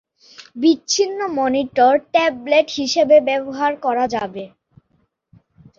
বিচ্ছিন্ন monitor tablet হিসেবে ব্যবহার করা যাবে।